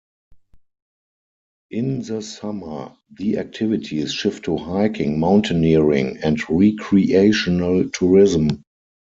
In the summer, the activities shift to hiking, mountaineering and recreational tourism.